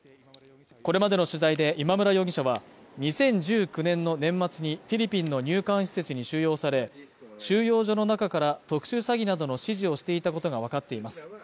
これまでの取材で、今村容疑者は２０１９年の年末にフィリピンの入管施設に収容され、収容所の中から、特殊詐欺などの指示をしていたことがわかっています。